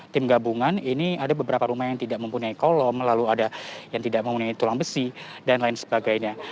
tim gabungan ini ada beberapa rumah yang tidak mempunyai kolom lalu ada yang tidak mempunyai tulang besi dan lain sebagainya